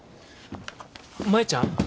舞ちゃん。